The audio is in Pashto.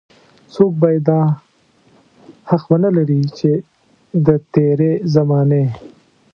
څوک بايد دا حق ونه لري چې د تېرې زمانې.